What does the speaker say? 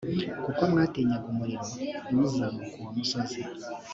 kuko mwatinyaga umuriro, ntimuzamuke uwo musozi.